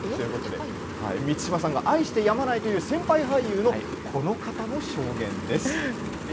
満島さんが愛してやまないという先輩俳優のこの方の証言です。